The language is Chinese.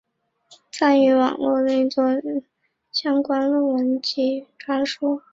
参与网站运作及选举观察研究的刘亚伟组织发表了该网站及选举研究的相关论文及专书。